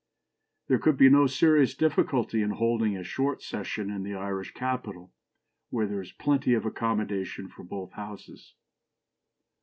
There could be no serious difficulty in holding a short session in the Irish capital, where there is plenty of accommodation for both Houses.